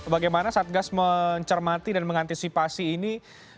bagaimana satgas mencermati dan mengantisipasi ini